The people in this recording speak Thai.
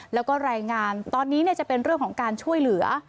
แล้วก็รายงานตอนนี้จะเป็นเรื่องของการช่วยเหลือ